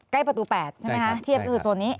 ไกลประตู๘ใช่ไหมครับเทียบโซนนี้